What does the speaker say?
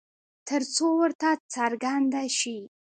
ترڅو ورته څرگنده شي